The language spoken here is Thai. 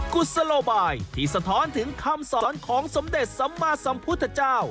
กุศโลบายที่สะท้อนถึงคำสอนของสมเด็จสัมมาสัมพุทธเจ้า